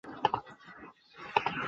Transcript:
禹之谟人。